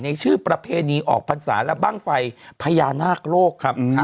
ในชื่อประเพณีออกพรรษาและบ้างไฟพญานาคโลกครับ